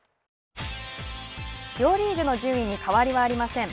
両リーグの順位に変わりはありません。